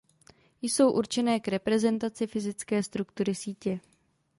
Jsou určené k reprezentaci fyzické struktury sítě.